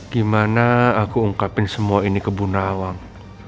gimana aku ungkapin semua ini ke bu nawang